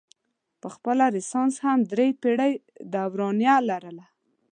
پخپله رنسانس هم درې پیړۍ دورانیه لرله.